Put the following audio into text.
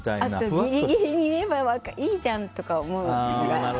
あとギリギリに言えばいいじゃんとか思うから。